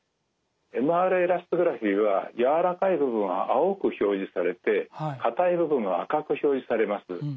ＭＲエラストグラフィは軟らかい部分は青く表示されて硬い部分は赤く表示されます。